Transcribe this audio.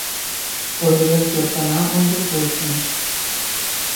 Ойлен кертына ончылгочын: